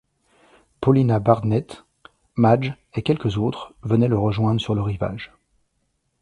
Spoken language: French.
Paulina Barnett, Madge et quelques autres venaient le rejoindre sur le rivage.